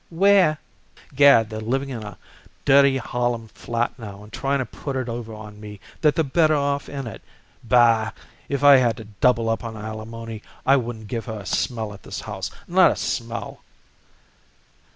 "Where " "Gad! they're living in a dirty Harlem flat now and tryin' to put it over on me that they're better off in it. Bah! if I had to double up on alimony, I wouldn't give her a smell at this house, not a smell."